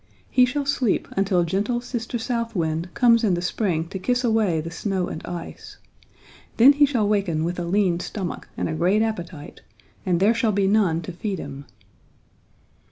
He shall sleep until gentle Sister South Wind comes in the spring to kiss away the snow and ice. Then he shall waken with a lean stomach and a great appetite and there shall be none to feed him.'